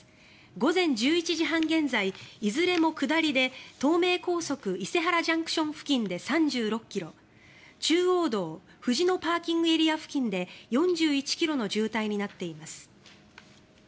午前１１時半現在いずれも下りで東名高速伊勢原ＪＣＴ付近で３６ｋｍ中央道藤野ＰＡ付近で４１ｋｍの渋滞になっています。